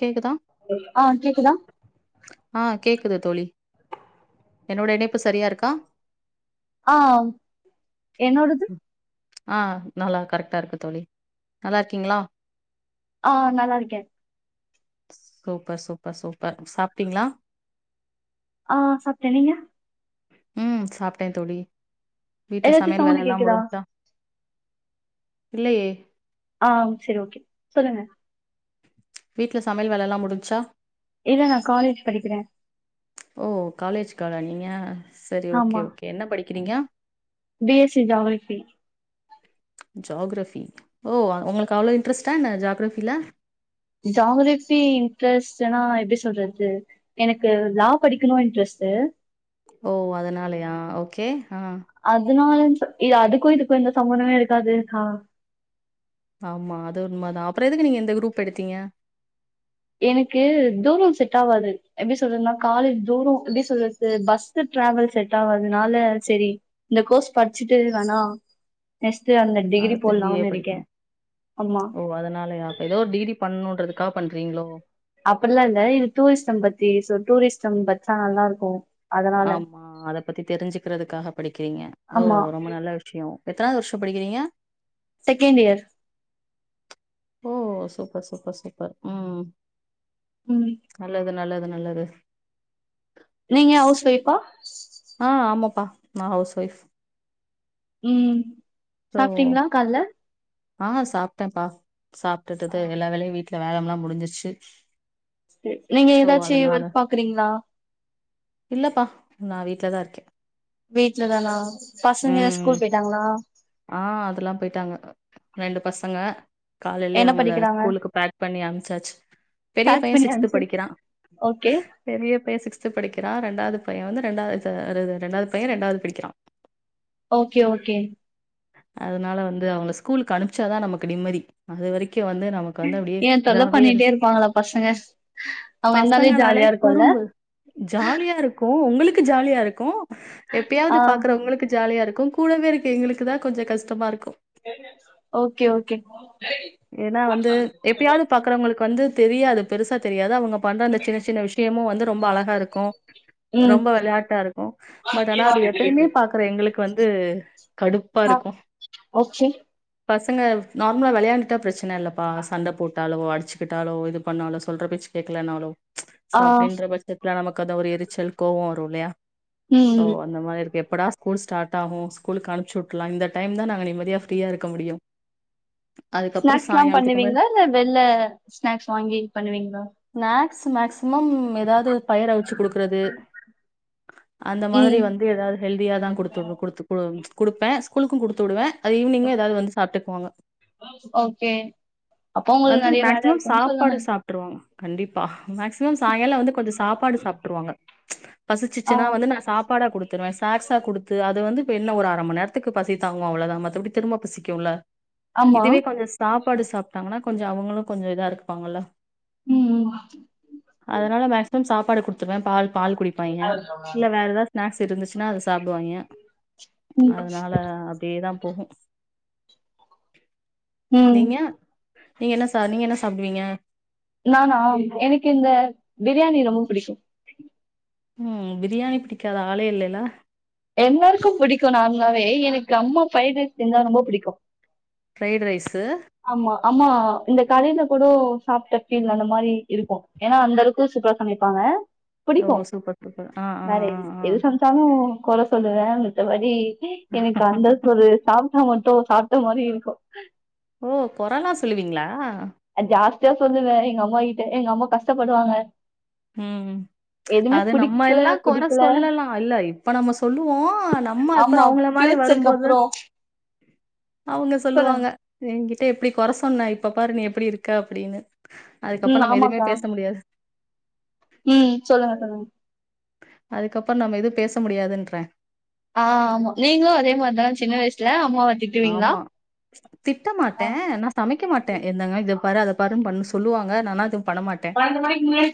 கேக்குதா [unintelligible] ஆஹ் கேக்குதா ஆ கேக்குது தோழி என்னோட இணைப்பு சரியா இருக்கா ஆ என்னோடது ஆ நல்லா கரெக்டா இருக்கு தோழி நல்லாருக்கீங்களா ஆ நல்லா இருக்கேன் சூப்பர் சூப்பர் சூப்பர் சாப்ட்டீங்களா ஆ சாப்டேன் நீங்க உம் சாப்ட்டேன் தோழி வீட்டுல ஏதாச்சு சமையல் வேலை சவுண்டு எல்லாம் கேக்குதா முடிஞ்சதா இல்லையே ஆம் சரி ஓகே சொல்லுங்க வீட்டுல சமையல் வேலலாம் முடிச்சா இல்ல நான் காலேஜ் படிக்கிறேன் ஓ காலேஜ் கேலா நீங்க சரி ஓகே ஆமா ஓகே என்ன படிக்கிறீங்க B S C geography geography ஓ உங்களுக்கு அவ்ளோ இன்ட்ரெஸ்ட்டா என்ன ஜாகிரஃபில ஜாகிரஃபி இன்ட்ரெஸ்ட்னா எப்டி சொல்றது எனக்கு லாபடிக்கணு இன்ட்ரெஸ் சே ஓ அதனாலயா ஓகே ஆ [unintelligible] இல்ல அதுக்கும் இதுக்கும் எந்த சம்பந்தமே இருக்காது ஆ ஆமா அது உண்மதான் அப்புறம் எதுக்கு நீங்க இந்த குரூப் எடுத்தீங்க எனக்கு தூரம் செட் ஆவாது எப்படி சொல்றதுன்னா காலேஜ் தூரம் எப்டி சொல்றது பஸ்சு டிராவல் செட் ஆவாதனால செரி இந்த கோர்ஸ் படிச்சுட்டு வேணா நெக்ஸ் அடுத்து எம் பி ஏ படிக்கணும் ஆமா ஓ அதனாலயாப்ப ஏதோ டிகிரி பண்ணுன்றது கா பண்றீங்ளோ அப்படில்லாம் இல்ல இது டூரிஸ்டம் பத்தி ஷோ டூரிஸ்டம் பட்ச நல்லா இருக்கும் ஆமா அத பத்தி தெரிஞ்க்கிறதுக்காக படிக்கிறீங்க ஓ ஆமா ரொம்ப நல்ல விஷயோம் எத்தனாவது வருஷம் படிக்கிறீங்க செகேண்ட் இயர் ஓ சூப்பர் சூப்பர் சூப்பர் ம் ம் நல்லது நல்லத் அது நல்லது நீங்க ஸ் ஹவுஸ் வைப்பா ஆ ஆமாப்பா நா ஹவுஸ் ஒய்ஃப் ம் ஸோ சாப்டீங்ளா கால்ல ஆ சாப்ட்டம்ப்பா சாப்ட்டுட்டு தா எல்லா வேலையு வீட்ல வேல எல்லா முடிஞ்சிருச்சு டு நீங்க ஸோ எதாச்சு அதனால ஒர்க் பாக்றீங்களா இல்லப்பா நா வீட்லதாருக்கே வீட்லதானா பசங்க ஸ்கூல் பேட்டாங்ளா ரெண்டு பசங்க காலைலே அவுங்கள படிக்கிறாங்க ஸ்கூலுக்கு பேக் பண்ணி அம்ச்சாச்சு பெரிய பேக் பைய பண்ணி சிக்ஸ்த் அனுப்சு படிக்கிறா ஓகே பெரிய பைய சிக்ஸ்த் த்து படிக்கிறா ரெண்டாவது பையன் வந்து ரெண்டாவது அ ரெண்டாவது பையன் ரெண்டாவது படிக்கிறா ஓகே ஓகே அதனால வந்து அவங்க ஸ்கூலுக்கு அனுப்ச்சாதா நமக்கு நிம்மதி அது வரைக் க்கு வந்து நமக்கு வந்து அப்டே ஏ தொல்ல இதாவே பண்ணிட்டே இருக் இருப்பாங்களா பசங்க அவங்க இருந்தாலே பசங்கனாலே ஜாலியா இருக்குல்ல குறும்பு ஜாலியாருக்கு உங்குளுக் கு ஜாலியாருக்கு எப்யாது ஆ பாக்கறங்களுக்கு ஜாலியாருக்கு கூடவே இருக்க எங்குளுக்கு தா கொஞ்சோ கஷ்டமாருக்கு ஓகே ஓகே ஏன்னா வந்து எப்பயாவது பார்க்குறவங்களுக்கு வந்து தெரியாது பெருசா தெரியாது அவங்க பண்ற அந்த சின்ன சின்ன விஷயமு வந்து ரொம்ப அழகாருக்கு ம் ரொம்ப வெள்ளாட்டாருக்கு பட் ஆனா அது எப்பயுமே பாக்குற எங்களுக்கு வந்து கடு ஆ ஓகே பசங்க நார்மலா வெளயாண்டுட்டா பிரச்சன இல்லப்பா சண்ட போட்டு ட்டாலோ அடிச்சுக்கிட்டாலோ இது பண்ணாலோ சொல்ற பேச்சு கேக்கலனாலோ சோ ஆ ஆ, அப்டின்ற பட்சத்துல நமக்கு அந்த ஒரு எரிச்சல் கோவோ வரு இல்லயா ம் சோ ம் அந்த மாதிரி இக்கு எப்படா ஸ்கூல் ஸ்டார்ட் ஆகு ஸ்கூலுக்கு அனுப்ச்சு லா இந்த டைம் தா நாங்க நிம்மதியா ஃப்ரீயா இருக்க முடியு அதுக்கப்றோ ஸ்நாக்ஸ்லா சாயங்காலத்துக்கு மேல் பண்ணுவீங்ளா இல்ல வெள்ல ஸ்நாக்ஸ் வாங்கி பண்ணுவீங்ளா ஸ் மேக்சிமம் எதாது பயிரவுச்சு குடுக்குறது அந்த மாதிரி ம் வந்து எதாது ஹெல்தியா தா குடுத்துடு குடுத்து குடு ஸ்கூலுக்கு குடுத்து உடுவே அது ஈவினிங்கு எதாது வந்து சாப்ட்டுக்குவாங்க [inaudible] வந்து நெறைய வேல மேக்சிமம் இருக்குன்னு சொல்லுங்க சாப்பாடு சாப்ட்ருவாங்க கண்டிப்பா மேக்சிமம் சாயங்கால வந்து கொஞ்சோ சாப்பாடு சாப் ட்டுருவாங்க ஆ பசிச்சன்னா வந்து நா சப்பாடா குடுத்துருவே ஸ்நாக்ஸ்ஸா குடுத்து அது வந்து இப்ப என்ன ஒரு அர மண் நேர த்துக்கு பசி தாங்க அவ்ளதா மத்தபடி திரும்ப பசிக்குல ஆமா இதுவே கொஞ்சோ சாப்பாடு சாப்ட்டாங்கனா கொஞ்சோ அவங்களு கொஞ்சோ இதா இருப்பாங்க ம் அதனால மேக்சிமம் சாப்பாடு குடுத்து துவே பால் பால் குடிப்பாய்ங்க இல்ல வேற எதாது ஸ்நாக்ஸ் இருந்துச்சுனா அத சாப்டுவாய்ங்க ம் அதனால அப்டே தா போகு ம் நீங்க என்ன சா நீங்க என்ன சாப்டுவீங்க நானா எனக்கு இந்த பிரியாணி ரொம்ப பிடிக்கு ம் பிரியாணி பிடிக்காத ஆளே இல்லல எல்லாருக்கு புடிக்கு நார்மலாவே எனக்கு அம்மா ஃப்ரைட்ரைஸ் செஞ்சா ரொம்ப புடிக்கு ஃப்ரைட் ரைஸு ஆமா ஆமா இந்த கடைல கூட சாப்ட்ட ஃபீல் அந்த மாரி இருக்கு ஏனா அந்த அளக்கு சூபரா சமைப்பாங்க ஓ! பிடிக்கு சூப்பர், சூப்பர். ஆ, ஆ, வேற ஆ, ஆ. எது சமச்சாலு கொற சொல்லுவ மித்தபடி எனக்கு அந்த ஒரு சாப்ட்டா மட்டு சாப்ட்ட மாரி இருக்கு ஓ கொரலா சொல்லுவீங்ளா அ ஜாஸ்தியா சொல்லுவே எங்க அம்மா கிட்ட எங்க அம்மா கஷ்டப்படுவாங்க ம் ம் எதுவுமே அது நம்ம பிடிக்கல எல்லா கொர பிடிக்கல சொல்லலா இல்ல இப்ப நம்ம சொல்லுவோ நம்ம ஆமா அப்புறம் அவங்கள மாரி ஃபியூச்சருக்கு வரும்போது அப்புறம் அவங்க சொல்லுங்க சொல்லுவாங்க என்கிட்ட எப்படி கொர சொன்ன இப்ப பாரு நீ எப்படி இருக்க அப்படின்னு ம் அதுக்கப்பறம் நம்ம எதுவுமே ஆமாக்கா பேச முடியாது ம் சொல்லுங்க சொல்லுங்க அதுக்கப்பறம் நம்ம எது பேச முடியாதுன்ற ஆ ஆமா நீங்களு அதே மாதிரிதானா சின்ன வயசுல அம்மாவ திட்டுவீங்களா ஆமா திட்ட ஆ மாட்டே நா சமைக்க மாட்டே என்னங்க இத பாரு அத பாரு பண்ண சொல்லுவாங்க நானா அது பண்ண மாட்டே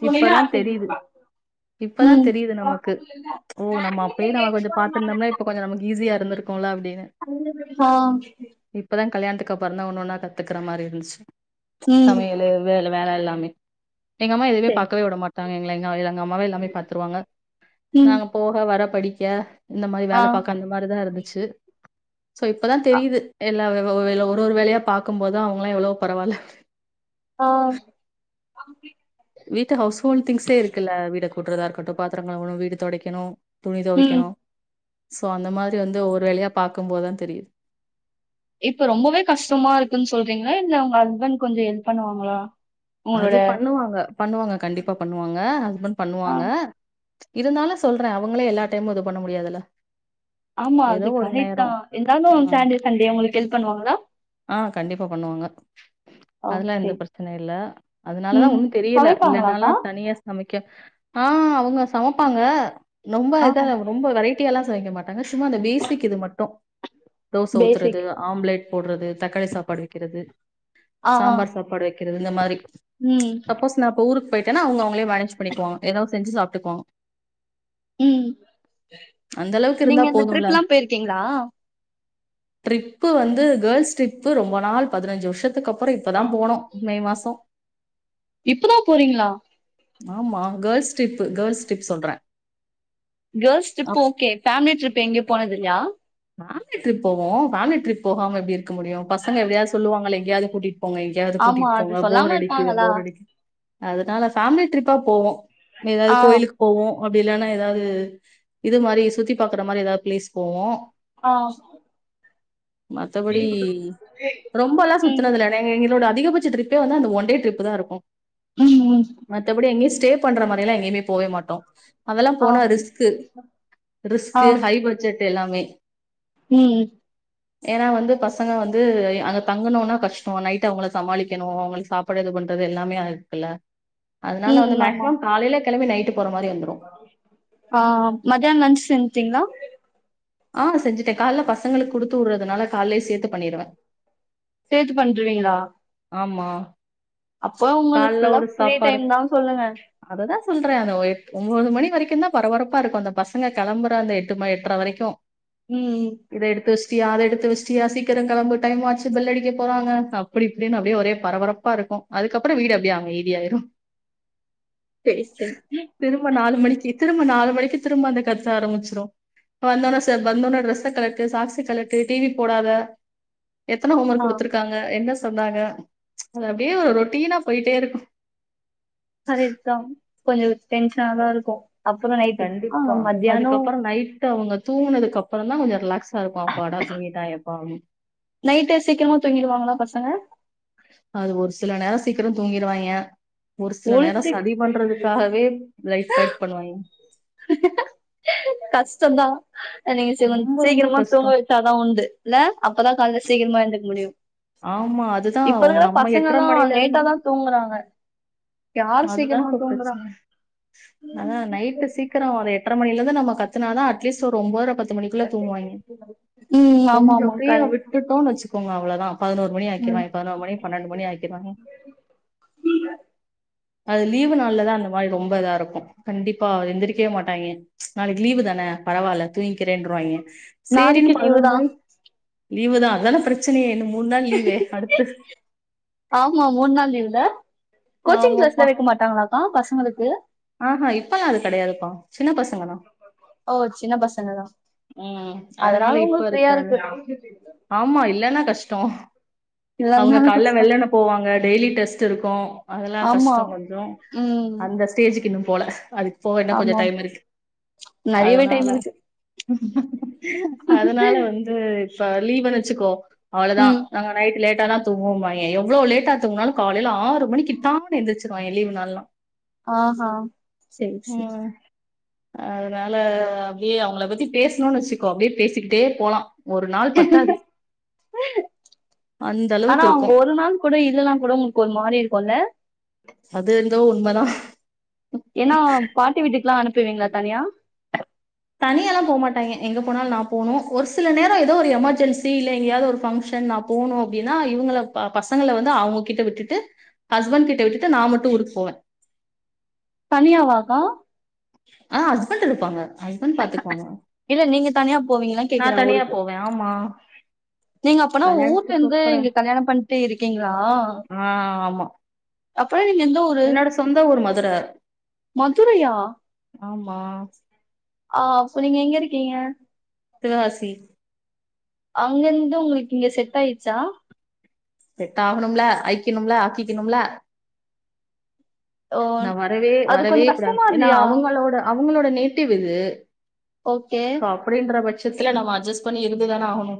இப்பதா தெரியுது இப்பதா ம் தெரியுது நமக்கு ஓ நம்ம அப்பயே நம்ம கொஞ்ச பா்த்திருந்தோம்னா இப்ப கொஞ்ச நமக்கு ஈஸியா இருந்திரு கும்ல அப்படின்னு [inaudible] இப்பதா கல்யாணத்துக்கு அப்புறந்தா ஒன்னு ஒன்னா கத்துக்கற மாரி இருந்துச்சு ம் சமையல் வேல வேல எல்லாமே எங்க அம்மா எதுமே சரி பார்க்கவே விட மாட்டாங்க எ எங்கள எங்க அம்மாவே எல்லாமே பாத்துருவாங்க ம் நாங்க போக வர படிக்க இந்த மாதிரி ஆ வேல பாக்க அந்த மாதிரிதா இருந்துச்சு சோ இப்பதா தெரியுது எல்லா ஒரு ஒரு வேலையா பாக்கும்போதா அவங்களா எவ்ளோ பரவா இல்ல ஆ வீட்டு ஹவுஸ் ஹோல் திங்ஸே இருக்குல்ல வீட்ட கூட்டுறதா இருக்கட்டு பாத்திரங் கழுவணு வீடு துடைக்கணு துணி ம் துவைக்கணு சோ அந்த மாதிரி வந்து ஒரு வேலையா பார்கும்போதுதா தெரியுது இப்ப ரொம்பவே கஷ்டமா இருக்குன்னு சொல்றீங்களா இல்ல உங்க ஹஸ்பண்ட் கொஞ்ச ஹெல்ப் பண்ணுவாங்களா உங்களோட அது பண்ணுவாங்க பண்ணுவாங்க கண்டிப்பா பண்ணுவாங்க ஹஸ்பண்ட் ஆ பண்ணுவாங்க இருந்தாலு சொல்றே அவங்களே எல்லா டைமும் இது பண்ண முடியாதுல்ல ஆமா ஏதோ அது ஒரு கரைட்தா நேரோ இருந்தாலு ஆ சாட்டே சண்டே உங்களுக்கு ஹெல்ப் பண்ணுவாங்களா ஆ கண்டிப்பா பண்ணுவாங்க அதெல்லா ஓகே எந்த பிரச்சனையு இல்ல அதனாலதா ம் ஒன்னு தெரியல இல்லனாலா சமைப்பாங்களாக்கா தனியா சமை க்க ஆ அவங்க சமைப்பாங்க ரொம்ப ஆ இதா ரொம்ப வெரைட்டி எல்லா சமைக்க மாட் டாங்கா சும்மா அந்த பேசிக் இது மட்டு தோச ஊத்துறது பேசிக் ஆம்லேட் போடுறது தக்காளி சாப்பாடு வைக்கிறது ஆ ஆ சாம்பார் சாப்பாடு வைக்கிறது இந்த மாதிரி ம் சப்போஸ் நா இப்ப ஊருக்கு போயிட்டா அவுங்க அவங்களே மேனேஜ் பண்ணிக்குவாங் ஏதாச்சு செஞ்சு சாப்ட்டுக்குவாங்க உம் அந்த அளவுக்கு நீங்க இருந்தா இந்த போதும்ல ட்ரிப் லா போயிருக்கீங்களா ட்ரிப்பு வந்து கேர்ள்ஸ் ட்ரிப் ரொம்ப நாள் பதினஞ்சு வருஷத் துக்கு அப்புறம் இப்பதா போனோ மே மாசோ இப்பதா போறீங்களா ஆமா கேர்ள்ஸ் ட்ரிப் கேர்ள்ஸ் ட்ரிப் சொல்றே girls trip okay family trip எங்கேயு போனது இல்லையா ஃபேமிலி ட்ரிப் போவோ ஃபேமிலி ட்ரிப் போகாம எப்படி இருக்க முடியு பசங்க எப்படியாவது சொல்லுவாங்கல்ல எங்கயாது கூட்டிட்டு போங்க எங்கேயாது ஆமா கூட்டிகிட்டு அது போங்க போர் சொல்லாம அடிக்குது இருப்பாங்களா போர் அடிக்கு அதனால ஃபேமிலி ட்ரிப்பா போவோ ஏதாவது ஆ கோயிலுக்கு போவோ அப்படி இல்லன்னா ஏதாவது இது மாதிரி சுத்தி பார்க்குற மாதிரி ஏதாவது பிளேஸ் போவோ ஆ மத்தபடி ரொம்பலா ம் சுத்தினதுல எங்க எங்களோட அதிகபட்ச ட்ரிப்பே வந்து அந்த ஒன் டே ட்ரிப் தா இருக்கு உம் உம் ஸ்டே பண்ற மாதிரி எல்லா எங்கயுமே போவே மாட்டோ அதெல்லா ஆ போனா ரிஸ்க்கு ரிஸ்க்கு ஹை பட்ஜெட் எல்லாமே உம் ஏன்னா வந்து பசங்க வந்து அங்க தங்கணும்னா கஷ்டம் நைட் அவங்கள சமாளிக்கணு அவங்களுக்கு சாப்பிட எது பண்றது எல்லாமே அதுக்குல்ல அதனால வந்து ம் ஆமா மேக்சிமம் காலைல கிளம்பி நைட்டு போற மாரி வந்துரு ஆ மதியான லன்ச் செஞ்சிட்டிங்களா ஆ செஞ்சுட்டே கால்ல பசங்களுக்கு குடுத்து உடுறதுனால கால்லயே சேத்து பண்ணிருவே சேத்து பண்டுருவீங்களா ஆமா அப்போ ஒங்களுக்கு கால்ல புல்லா ஒரு ஃப்ரீ டைம் தா சொல்லுங்க புல்தரயாக ஒய்ப் ஒன்பது மணி வரைக்குதா பரபரப்பா இருக்கு அந்த பசங்க களம்புற அந்த எட்டு மணி எட்டரை வரைக்கு உம் சியா அத எடுத்து வட்ச்சியா சீக்கிரகெலம்பு டைம் ஆச்சு பெல் அடிக்க போறாங்க அப்டி இப்டின்னு அப்டியே ஒரே பரபரப்பா இருக் கு அதுக்கப்புறோ வீடு அப்டியே அமைதியாயிரு செர் செர் திரும்ப நாலு மணிக்கு எத்தமனோ திரும்ப நாலு மணிக்கு திரும்ப அந்த கத்த ஆரம்பிச்சிரு ப்பவந்தான த வந்தோன்னா டிரெஸ கலட்டு சாக்ஸ கலட்டு டிவி போடாத எத்தன ஹோம்ஒர்க் ஆ குடுத்துருக்காங்க என்ன சொன்னாங்க அது அப்டியே ஒரு ரொட்டீனா போயிட்டே இருக்கு அதேதா கொஞ்சோ டென்ஷனாதா இருக்கு அப்புறோ நைட்டு ஆ கண்டிப்பா மத்தியானோ அதுக்கப்புற நைட்டு அவுங்க தூங்கனது அப்றோ தா கொஞ்சோ ரிலாக்ஸ்ட்ட சருப்பாப்பட துங்கிட்டாயெப்பா நைட்டு சீக்கிரமா தூங்கிடுவாங்களா பசங்க அது ஒரு சில நேரோ சீக்கிரோ தூங்கிர்வாய்ங்க ஒரு சில நேரோ சதி பண்றதுக்காகவே லைட் ஃபைட் பண்ணுவாய்ங்க கஷ் டந்தா அன்னைக்கு அது ரொம்ப ரொம்ப சீக்கிரமா தூங்க கஷ்ட வைச்சாதா உண்டு இல்ல அப்பதா கால்லதா சீக்கிரமா எழுந்தூக்க முடியு ஆமா அதுதா இப்ப இருக்க நம்ம பசங்க எட்ர எல்லாம் மணில இருந்து லேட்டாதான் தூங்குறாங்க யாரு அதுதா சீக்கிரமா இப்ப தூங்குறா பிரச்சனை அதா நைட்டு சீக்கிரோ ஒரு எட்டரை மணிலருந் அது நம்ம கத்துனா தா அட்லீஸ்ட் ஒரு ஒம்பதர பத் து மணிக்குள்ள தூங்குவாய்ங்க ம் ஆமா கொஞ்சோ ஆமா ஃப்ரீயா கரெக்ட் விட்டுட்டோன்னு வச்சுக்கோங்க அவ்ளோதா பதினோரு மணி ம் ஆக்கிருவாய்ங்க பதினோரு மணி பன்னெண்டு மணி ஆக்கிருவாங்க அது லீவு நாள்லதா அந்த மாரி ரொம்ப இதா இருக்கு கண்டிப்பா எந்திரிக்கவே மாட்டாய்ங்க ச் நாளைக்கு லீவுதானே பரவாயில்ல தூங்கிக்கறேன்வாய்ங்க செரின்னு நாளைக்கு பதினோரு லீவுதா மணி லீவுதா அதான பிரச்சனையே இன்னும் மூண்நாள் லீவே அடுத்து ஆமா மூணு நாள் லீவுல கோச்சிங் கிளாஸ்ல ஆமாப்பா வைக்க மாட்டாங்களாக்கா பசங்களுக்கு ஆஹா இப்பல்லா அது கெடையாதுப்பா சின்ன பசங்க தா ஓ சின்ன பசங்க தா உம் அதனால இப்ப இருக்காது ஆமா இல்லன்னா கஷ்டோ அவுங்க இல்லனாலு கால்ல கஷ்டோ வெள்ளன்ன போவாங்க டெய்லி டெஸ்ட் இருக்கு அதெல்லா ஆமா கஷ்டோ கொஞ்சோ ம் அந்த ஸ்டேஜுக்கு இன்னும் போல அது போக இன்னோ கொஞ்சோ ஆமா டைம் இருக்கு நெறையவே அதனால டைம் இருக்கு அதனால வந்து இப்ப லீவுனு வச்சுக்கோ அவ்ளோதா ம் நாங்க நைட் லேட் லேட்டா தா தூங்குவோபாய்ங்க எவ்ளோ லேட்டா தூங்குனாலு காலைல ஆறு மணிக்கு டான்னு எந்துருச்சிடுவாய்ங்க லீவுனால்லா ஆ ஹா செரி செரி அதனால அப்டியே அவுங்கள பத்தி பேசணோனு வச்சுக்கோ அப்டியே பேசிக்கிட்டே போலா ஒரு நாள் பத்தாது அந்த ஆனா அளவுக்கு இருக்கு அவுங்க ஒரு நாள் கூட இல்லனா கூட உங்களுக்கு ஒரு மாறி இருக்குல்ல அது ஏந்தோ உண்மதா ஏன்னா பாட்டி வீட்டுக்கு எல்லா அனுப்பிவிங்களா தனியா தனியாலா போ மாட்டாங்க எங்க போனாலு நா போனு ஒரு சில நேரோ ஏதோ ஒரு எமர்ஜென்சி இல்ல எங்காயவது ஒரு ஃபங்ஷன் நா போனு அப்டின்னா சங்கள பாத் பசங்கள வந்து அவுங்க கிட்ட விட்டுட்டு ஹஸ்பண்ட் கிட்ட விட்டுட்டு நா மட்டு ஊருக்கு போவ தனியாவாக்கா அ ஹஸ்பண்ட்டு இருப்பாங்க ஹஸ்பண்ட் பாத்துக்குவாங்க இல்ல நீங்க தனியா போவீங்களான்னு நா கேக்குறே தனியா ஊருக்கு போவ ஆமா நீங்க அப்பனா கல்யாணத்துக்கு ஊர்லந்து அப்புறோ இங்க கல்யாணம் பண்ட்டு இருக்கீங்ளா ஆ ஆமா என்னோட சொந்த ஊரு மதுர மதுரையா ஆமா அ இப்ப நீங்க எங்க இருக்கீங்க சிவகாசி அங்கந்து உங்களுக்கு இங்க செட் ஆயிட்ச்சா செட் ஆகணும்ல ஆய்க்கணும்ல ஆக்கிக்கணும்ல ஓ நா வரவே அது வரவே கொஞ்ச கூடாது கஷ்டமா ஏன்னா இல்லையா அவுங்களோட அவுங்களோட நேட்டிவ் இது ஓகே சோ அப்டின்ற பட்சத்துல நம்ம அட்ஜஸ்ட் பண்ணி இருந்துதான ஆகணு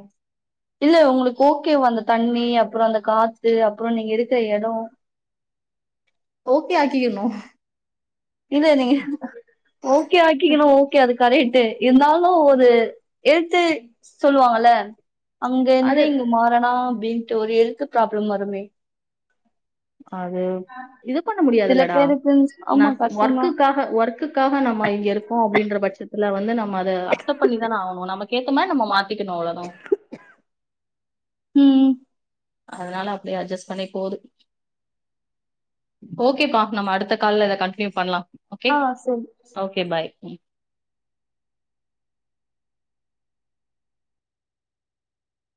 இல்ல உங்களுக்கு ஓகேவ அந்த தண்ணி அப்புறோ அந்த காத்து அப்புறோ நீங்க இருக்குற எடோ ஓகே ஆக்கிக்கணு இல்ல நீங்க ஓகே ஆக்கிகனு ஓகே அது கரெட் டு இருந்தாலு ஒரு எடுத்து சொல்லுவாங்கல அது அங்கந்து இங்க மாறனா அப்டின்ட்டு ஒரு எல்த்து ப்ராப்ளம் வருமே அது இது பண்ண சில முடியாதுல்லடா பேருக்கு நா ஆமா ஒர்க் கஷ்டம்தா குக்காக ஓர்க்குக்காக நம்ம இங்க இருக்கோ அப்டின்ற பட்சத்தில வந்து ந ம்ம அத அக்சப்ட் பண்ணி தான ஆவனு நமக்கேத் தமாரி நம்ம மாத்திக்கணு அவ்ளோதா ம் அதனால அப்டியே அட்ஜஸ்ட் பண்ணி போது ஓகேப்பா நம்ம அடுத்த கால்ல இத கண்டினியூ பண்லா ஓகே ஆ சரி ஓகே பாய் ம்